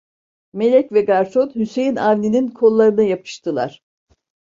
Melek ve garson, Hüseyin Avni'nin kollarına yapıştılar.